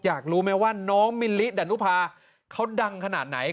อยากรู้ไหมว่าน้องมิลลิดานุภาเขาดังขนาดไหน